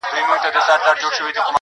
یو مُلا وو یوه ورځ سیند ته لوېدلی-